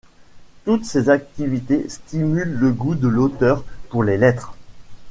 Toutes ces activités stimulent le goût de l'auteur pour les lettres.